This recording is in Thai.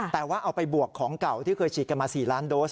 แต่ว่าเอาไปบวกของเก่าที่เคยฉีดกันมา๔ล้านโดส